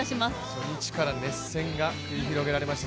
初日から熱戦が繰り広げられました。